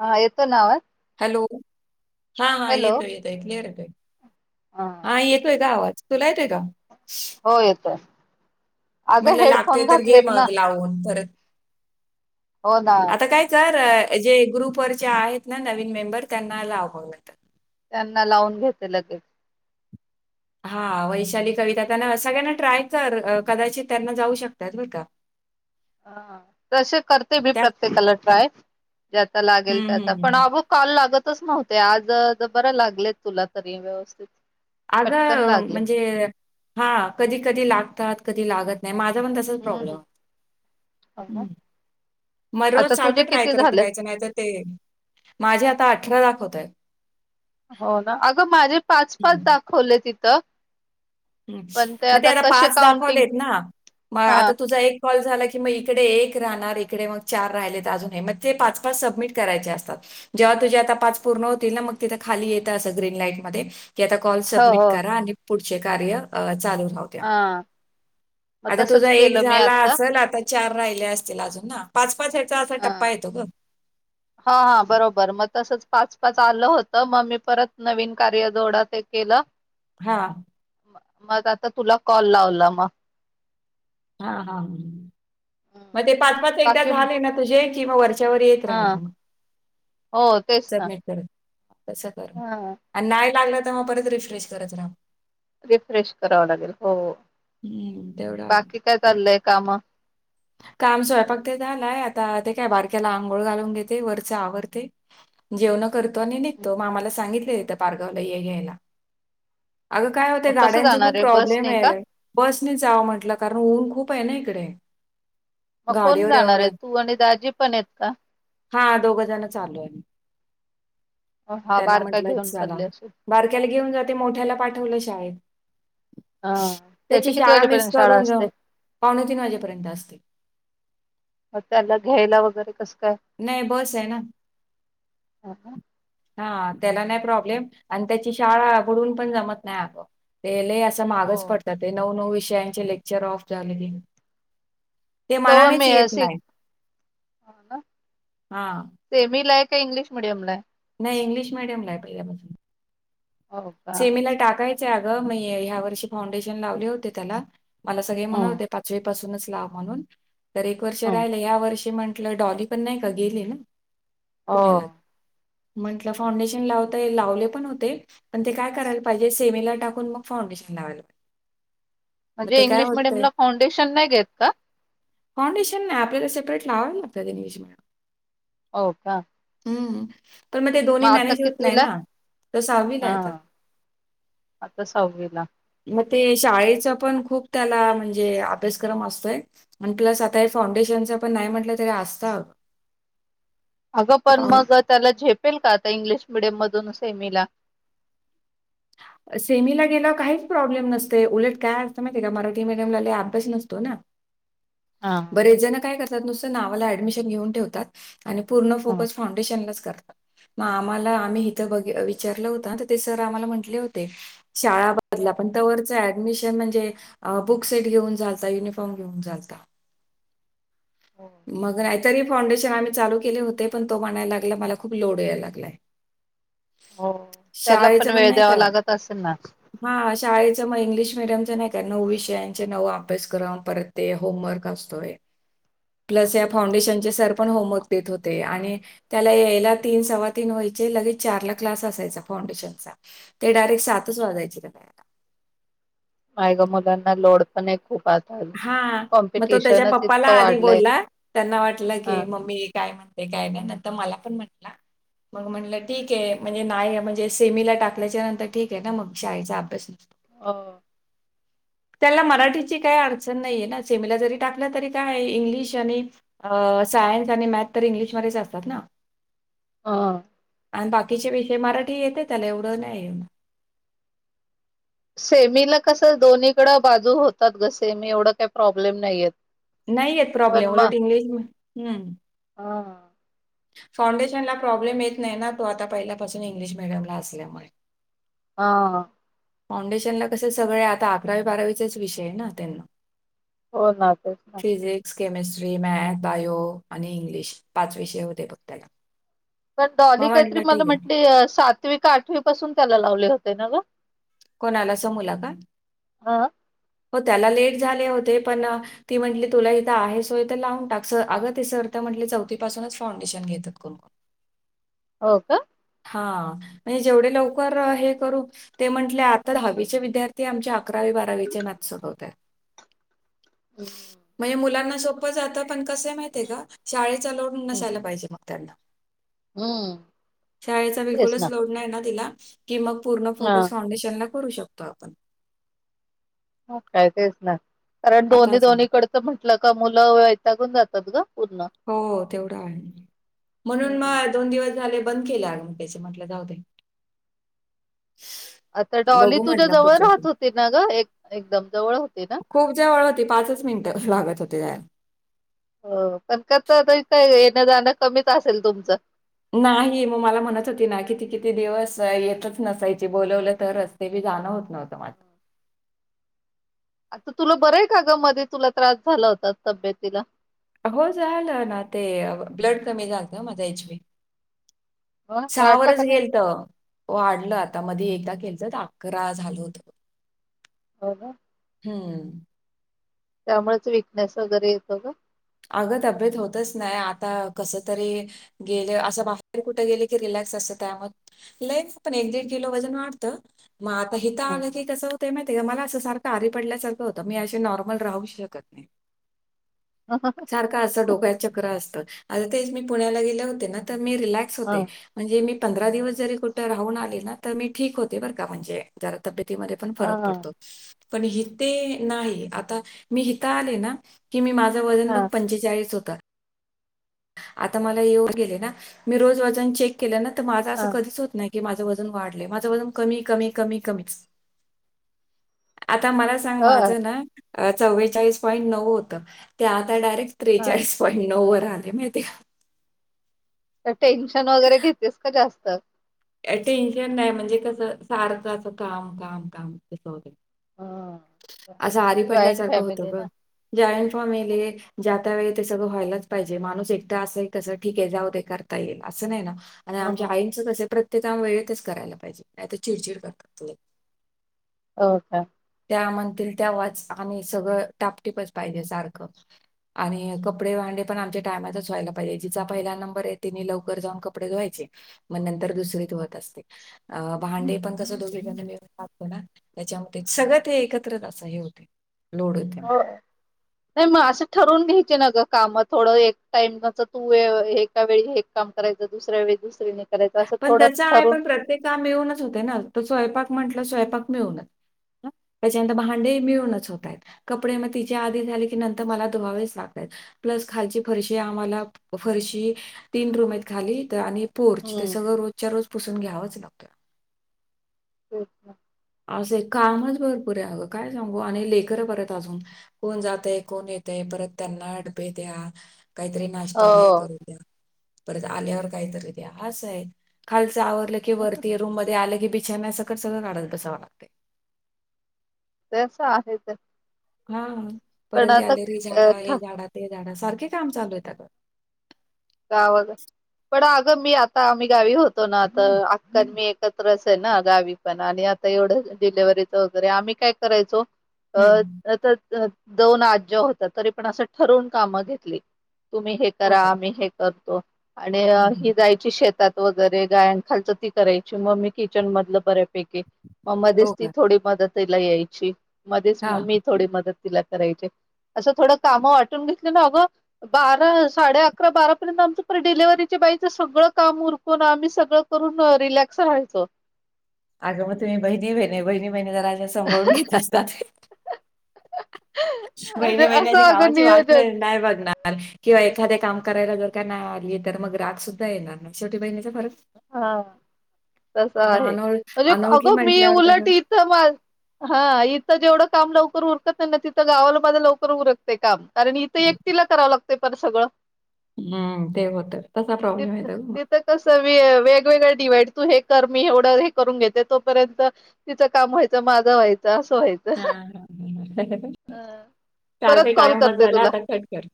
हा येतो नाव हॅलो हा हा येतोय येतोय क्लिअर येतोय हा येतोय का आवाज तुला येत आहे का हो येतोय आज हेडफोन घातलेत ना पाून पररत होदा काय कर जे ग्रुप वरचे आहेत ना नवीन मेंबर त्यांना लाववलं त्यांना लावून घेते लगेच हा वैशाली कविता त्यांना सगळ्यांना ट्राय कर कदाचित त्यांना जाऊ शकतात ब का [inaudible] ह तसे करते मी त्या प्रत्येकाला ट्राय ज्याचा लागेल हं, त्याचा हं, पण हं. आवो काल लागतच नव्हते आज बरं लागलेत तुला तरी व्यवस्थित पटकन अगं लागले म्हणजे हा कधी कधी लागतात की लात नाही मा पण हम्म प्रब्लेम हो ना मग रोज आता तुझे चालतं ट्राय किती करत झालेत राहायचं नाही तर ते माझे आता अठरा दाखवतय हो ना अगं माझे पाच पाच हं. दाखवले तिथं ह् पण मग ते आता कसे पाच काउंटिंग दाखवलेत ना मग हा आता तुझा एक कॉल झाला की मग इकडे एक राहणार, इकडे मग चार राहिले,, तर अजूनही मग ते, पाच पाच सबमिट करायचे असतात. जेव्हा तुझे आता पाच पूर्ण होतील ना,, मग तिथं खाली येतं असं, ग्रीन लाईट मध्ये. की आता कॉल हो सबमिट हो करा आणि पुढचे कार्य चालू राहत हा मग आता तसच तुझा एक केलं मी झाला असेल आता चार राहिले असतील अजून ना पाच पाच या्याचा असा हा टप्पा येतो ग हा हा बरोबर मग तसच पाच पाच आलं होतं मग मी परत नवीन कार्य जोडत केलं‌. हा, मग आता तुला कॉल लावला मग. हा, हा, ह मग ते पाच पाच एकदा बाकी झाले ना तुझे,, किं वरचऽ चेवर येत हा राहणार, हो तेच ना सबमिट कर. तस कर, ह आणि नाही लागलं तर मग परत रिफ्रेश करत राहा. रिफ्रेश कराव लागेल,, हो, हम्म तेवढं आहे बाकी काय चाललंय काम? काम स्वयंपाक ते झालाय, आता ते काय बारक्याला आंघोळ घालून घेते, वरचे आवरते. जेवण करतो आणि निघतो,, मामाला सांगितलय ईथ पारगावला हे घ्यायला. अगं काय होतंय, मग कसं गाड्यांच जाणार खूप आहे बस प्रॉब्लेम नाही का आहेला. बसने जावं म्हंटलं, कारण ऊन खूप आहे ना इकडे. मग कोण गाडीवर जाणार आहे, एवढं तू आणि दाजी पण आहेत का? हा दोघ जण चाललो आम्ही हा त्यांना बारका म्हंटलं घेऊन चला. चालले असेल बारक्याला घेऊन जाते मोठ्याला पाठवलंय शाळेत. हा त्याची किती शाळा मिस वाजेपर्यंत शाळा करून असते पावणे तीन वाजेपर्यंत असते. मग त्याला घ्यायला वगैरे कसं काय? नाही बस आहे ना. हा त्याला नाही प्रॉब्लेम आणि त्याची शाळा बुडून पण जमत नाही अगं ते लय अस हो मागच पडत ते नऊ नऊ विषयांचे लेक्चर ऑफ झाले कि. तव मेळ सी हो का. हा. सेमीला आहे का इंग्लिश मिडियमला आहे. नाही इंग्लिश मिडयम ला आहे पहिल्या पासून. हो का सेमीला टाकायचंय अगं मी ह्या वर्षी फाउंडेशन लावले होते त्याला मला सगळे म्हणत ह होते पाचवी पासूनच लाव म्हणून तर एक वर्ष ह राहिले या वर्षी म्हण टलं डॉली पण नाही का गेली ना हो पुण्याला. म्हटलं फाउंडेशन लावता येईल लावले पण होते पण ते काय करायला पाहिजे सेमीला टाकून मग फांडेशन लावायला मग म्हणजे ते काय इंग्लिश होतंय मिडियमला फाउंडेशन नाही घेत का? फौंडेशन नाही आपल्याला सेपरेट लावाव लागतात इंग्लिश. [inaudible] हो का. हम्म पण मग ते दोन्ही मॅनेज होत नाही ना तो दा सहावीलायत. आता सहावीला. मग ते शाळेच पण खूप त्याला म्हणजे अभ्यासक्रम असतोय. आणि प्लस आता हे फाउंडेशनचं पण नाही म्हटलं तरी असतां अ अगं पण मग त्याला झेपेल का आता इंग्लिश मिडियम मधून सेमीला. सेमीला गेला व काहीच प्रॉब्लेम नसतय उलट काय असतं माहितय का मराठी मीडियमला लय अभ्यास नसतो ना हा हा. बरेच जण काय करतात नुसतं नावाला ऍडमिशन घेऊन ठेवतात आणि पूर्ण ह फोकस फाउंडेशनलाच करतात. मग आम्हाला आम्ही इथं बघ विचारलं होत तर ते सर आम्हाला म्हटले होते. शाळा बदला पण तोवरच ऍडमिशन म्हणजे बुक सेट घेऊन जालता युनिफॉर्म घेऊन चालता. हो. मग नाहीतरी फाउंडेशन आम्ही चालू केले होते पण तो म्हणायला लागला मला खूप लोड यायला लागलाय. हो त्याला पण वेळ द्यावा लागत असेल ना. हा शाळेचं मग इंग्लिश मिडियमच नाही का नऊ विषयांचे नव अभ्यासक्रम परत ते होमवर्क असतोय. प्लस या फाउंडेशनचे सर पण होमवर्क देत होते आणि त्याला यायला तीन सव्वा तीन व्हायचे लगेच चारला क्लास असायचा फाउंडेशनचा‌. ते डायरेक्ट सातच वाजायचे त्याला यायला. मायग मुलांना लोड पण एक खूप अस हा मग तो त्याच्या पप्पाला आधी वाढलंय बोलला त्यांना वाटलं की ह मम्मी काय म्हण ते काय नाही न तर मला पण म्हटला. मग म्हटलं ठीक आहे म्हणजे नाही म्हणजे सेमीला टाकल्याच्या नंतर ठीक आहे ना मग शाळेचा अभ्यास अं. त्याला मराठीची काय अड चन नाहीये ना सेमला जरी टाकलं तरी काय इंग्लिश आणि अ सायन्स आणि मॅथ तर इंग्लिशमध्येध्येच असतात ना. अ. आणि बाकीचे विषय मराठी येते त्याला एवढं नाही. सेमीला कसं दोन्हीकडं बाजू होतात ग सेमी एवढं काही प्रॉब्लेम नाहीयेत नाहीेयेत प्रॉब्लेम उलट इंग्लिश.. हम् ह फाउंडेशनला प्रॉब्लेम येत नाही ना तो आता पहिल्यापासून इंग्लिश मिीडियमला असल्यामुळे. हा फाउंडेशनला कस सगळ आता अकरावी बारावीचाच विषय आहे ना त्यांना हो ना तेच ना, फिजिक्स, केमिस्ट्री, मॅथ, बायो आणि इंग्लिश पाच विषय होते बघ त्याला. पण मग डॉली काहीतरी म्हटलं मला ठीक आहे. म्हटली सातवी का आठवी पासून त्याला लावले होते ना ग. कोणाला समुलका? हा हो त्याला लेट झाले होते पण ती म्हटली तुला इथं आहे सोय इथ लावून टाक अगं तिंर्थ म्हटलं चौथीपासूनच फाउंडेशन घेतात कोण. हो का? हा म्हणजे जेवढे लवकर हे करू ते म्हंटले आता दहावीचे विद्यार्थी. ते आमच्या अकरावी बारावीचे मॅथ सोडवताय. हम्म म्हणजे मुलांना सो सोप जात. पण कसय माहिती का? शाळेचा लोड हम्म नसायला पाहिजे मग त्याना. हम्म शाळेचा तेच बिलकुलच ना लोड नाही ना तिला की मग पूर्ण हा फोकस फाउंडेशन ला करू शकतो आपण. होय का तेच ना कारण आता दोन्ही असं -दोन्ही कडच म्हटलं का मुल वैतागून जातात ग पूर्ण हो तेवढा आहे म्हणून हम्म. मग, दोन दिवस झाले बंद केल अग मी त्याच म्हट जाऊ दे. आता डॉली बघू तुझ्या म्हटलं जवळ पुढच्या राहत वेळेस. होती ना ग एक -एकदम जवळ होती ना? खूप जवळ होती पाचच मिनिट लागत होते जाय हो पण कता काय येणं जाणं कमीच असेल तुमचं नाही मग मला म्हणत होती ना किती किती दिवस येतच नसायची बोलवलं तरच, तेही जाण होत नव्हतं म आता तुला बऱ का ग? मध्येध तुला त्रास झाला होता तब्येतीला. हो झालं ना ते ब्लड कमी झालत माझ्या एच बी हं? सहा वाढला वरच का नाही गेल तर वाढलं आता मध्ये एकदा केलच तर अकरा झाल होत. हो का? हम्म त्यामुळेच वीिकनेस वगैरे येतो ग. अग अप्येत होतच नाही आता कस तरी गेले अस बाहेर कुठे गेले की, रिलॅक्स असत त्यामुळे लईच पण एक दीड किलो वजन वाढत. मग आता हिथ हां, आल की, कस होत माहितीय मला अस सारखं आरी पडल्यासारखं होतं मी असे नॉर्मल राहू शकतं नाही. - हंअ हंअ. अस डो्या चक्र असत ते मी पुण्याला गेले होते ना तर मी रिलॅक्स होते. हां, म्हणजे मी पंधरा दिवस जरी कुठ राहून आले ना तर मी ठीक होते बर का म्हणजे. जरा तब्येतीमध्ये पण फरक हां, पडतो. पण हिते नाही आता मी हिता आले ना की मी माझं वजन ब हां, पंचेचाळीस होता. [unintelligible] आता मला येवून गेलें ना मी रोज वजन चेक. - केलं नां तर माझं असं हां. कधीचं होत नाही. - हे माझं वजन वाढलंय माझं वजन कमी कमी कमी कमीचं आता मलां सां पहीले माझ हो, नां चवेचाळीस पॉईंट नऊ होतं आता डायरेक्ट हां. त्रेचाळीस पाईंड नऊ वर आलय माहितीये का? तर टेन्शनं वगैरे घेतेसंं का? जास्त. टेन्शन नाही म्हणजे, कसं सारखं असं कामं कामं कामं तसं होतंय. हां असं आरी जॉईंट पडल्यासारखं होतं फॅमिली गं ना. जॉईंट फॉमिली ज्या त्या वेळी ते सगळं व्हायलाचं पाहिजे माणूस एकट असं आहे कसं ठीक आहे, जाऊ दे करतां येईल असं नाही नां. आणि हं. आमच्या आईचं कस आहे प्रत्येक काम वेळेतचं करायला पाहिजे नाही, तर चिडंचिडं करतात. हो का? त्या म्हणतील तेव्हाच आणि सगळं टापटीपचं पाहिजे सारखं. आणि कपडे भांडे पण, आमच्या टायमातचं व्हायला पाहिजे, जिचा पहिला नंबर आहे. तिने लवकर जाऊन कपडे धूवायचे. मग नंतर दुसरी धूवत असते. आणि भांडे पण तसं दोघीजनी मिळून जास्त ना त्याच्यामध्ये सगळं. ते एकत्र असही होते. लोड होते हो. नाही मगं असं ठरवून घ्यायचे नं गं काम थोडं एक टाइमचं तू एका वेळी हे कामं करायचं दुसऱ्या वेळी दुसरीने करायचं असं थोडं ठरून ते काम मिळूनचं होते नां, तर स्वयंपाक म्हटलं स्वयंपाक मिळूनचं हं त्याच्यानंतर भांडे मिळूनचं होतात. कपडे मग तिचे आधी झाले की, नंतर मलां धुवावेचंं लागतायेत. प्लसं खालची फरशी आम्हाला फरशी तीन रूम आहेत खाली आणि पोर ते हं, सगळं रोजच्या रोज पुसून घ्यावंचं लागते. अच्छा असय कामचं भरपूर आहे अगं काय सांगू आणि लेकर परत अजून. कोणं जातयं कोणं येतयं परत त्यांना डबे द्या. काहीतरी. नाष्टा हे हो. करून दया. परत आल्यावरं काहीतरी द्या असय खालच आवरल की की वरती रूम मध्ये आलं की बिछान्या सग्कट सगळं काढत बसावं लागत. [unintelligible] आहे तेसं. हां परत गॅलेरी अ, झाडां हे ठ झाडां ते झाडां सारखे कामं चालू आहे अगं. गावाकड. पणं अगं मी आतां आम्ही गावी होतो नां आता आक्कान मी एकत्रचं आहे नां गावीं. पणं आणि आतां एवढं डिलेव्हीचं वगैरे आम्ही कायं करायचो अ हम्म दोन आज्या होत्या तरी पण असं ठरवून कामं घेतली. तुम्ही हे हो करां का आम्ही हे करतो आणि हम्म, हम्म. ही जायची शेतात. शेतात वगैरे गायंखालच ती करायची मग मी किचन मधलं बऱ्यापैकी. मगं मध्येचं हो ती का थोडी मदतीला यायची मध्येचं हा मी मगं थोडी मदत तिला करायची. असं थोडं कामं वाटून घेतली ना अगं बारा साडे अकरां -बारा. तूला सांगतो परत आमच डिलिव्हरीच्या बाईचं सगळं काम उरकून आम्ही सगळं करून रिलॅक्सं राहायचो. अगं मगं तुम्ही बहिणी बहिणी बहिणी बहिणी जरां सांभाळून घेत असतात. म्हणजे बहिणी बहिणी असं अगं कामाची वाट नियोजन नाही नाही बघणार. नार किंवा एखाद्या काम करायला लागल काय नाही आली तर मग राग सुुद्धा येणार नाही शेवटी बहिणीचा फरक पडतो. हां तस आहे अनोळ म्हणजे अनोळखी अगं मी म्हटल्यावर कसं उलट त माझ हा इथं जेवढं काम लवकर उरकत नाही ना तिथं गावाला माझा लवकर उरकत ते काम कारण इथं मला एकटीला करावं लागतंय पर सगळं. हम्ं ते होत तसा प्रॉब्लेम येतात आहे मग. - तेअ कस वेगवेगळं डिवाईड तू हे कर मी एवढं हे करून घेते तोपर्यंत - तिचं काम व्हायचं माझं व्हायचं असं व्हायचं. - हा परत चालते [inaudible] काय कॉल उमरं करते झाला तुला आतां कटं कर